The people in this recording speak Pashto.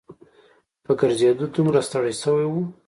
په ګرځېدو دومره ستړي شوي وو.